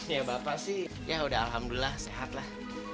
ya bapak sih ya udah alhamdulillah sehat lah